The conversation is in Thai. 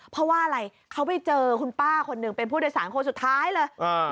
เพราะว่าอะไรเขาไปเจอคุณป้าคนหนึ่งเป็นผู้โดยสารคนสุดท้ายเลย